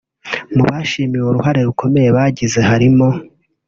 Mu bashimiwe uruhare rukomeye bagize harimo